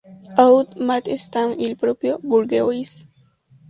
Oud, Mart Stam y el propio Bourgeois.